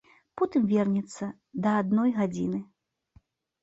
Потым вернецца да адной гадзіны.